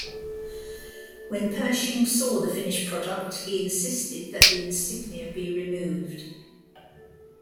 When Pershing saw the finished product, he insisted that the insignia be removed.